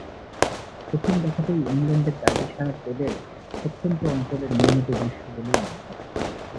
প্রথম দেখাতেই ইংল্যান্ডের ডার্বিশায়ার ডেলের প্রত্যন্ত অঞ্চলের নিয়মিত দৃশ্য বলেই মনে হবে।